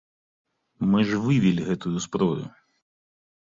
Мы ж вывелі гэту зброю!